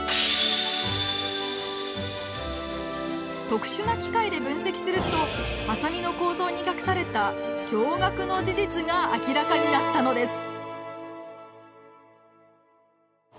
特殊な機械で分析するとハサミの構造に隠された驚がくの事実が明らかになったのです。